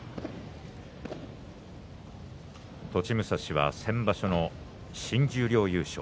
栃武蔵は先場所の新十両優勝。